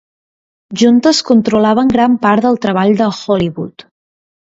Juntes controlaven gran part del treball de Hollywood.